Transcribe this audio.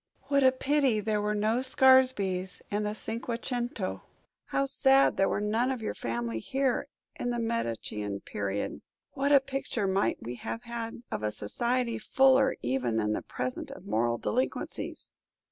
What a pity there were no Scaresbys in the Cinque Cento! How sad there were none of your family here in the Medician period! What a picture might we then have had of a society fuller even than the present of moral delinquencies."